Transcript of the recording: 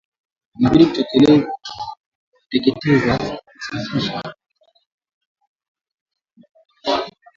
Inabidi kuteketeza kwa usahihi taka za wanyama waliokufa kwa homa ya bonde la ufa